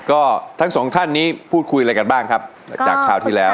ก็ทั้งสองท่านนี้พูดคุยอะไรกันบ้างครับจากคราวที่แล้ว